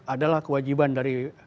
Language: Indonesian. adalah kewajiban dari